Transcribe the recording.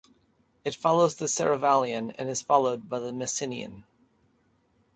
It follows the Serravallian and is followed by the Messinian.